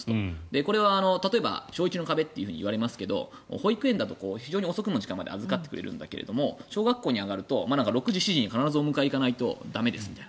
これは例えば小１の壁といわれますが保育園だと非常に遅くの時間まで預かってくれるんだけど小学校に上がると、６時７時に必ずお迎えに行かないと駄目ですみたいな。